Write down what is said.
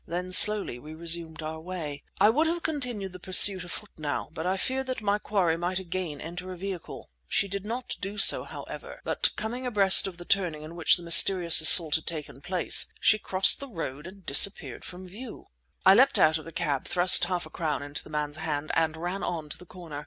Then slowly we resumed our way. I would have continued the pursuit afoot now, but I feared that my quarry might again enter a vehicle. She did not do so, however, but coming abreast of the turning in which the mysterious assault had taken place, she crossed the road and disappeared from view. I leapt out of the cab, thrust half a crown into the man's hand, and ran on to the corner.